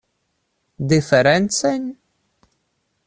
Diferencajn?